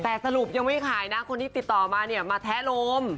แต่สรุปยังไม่ขายนะคนที่ติดต่อมาเนี่ยมาแท้ลม